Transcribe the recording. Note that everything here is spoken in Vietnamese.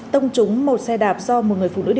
tông trúng một xe đạp do một người phụ nữ điều khiển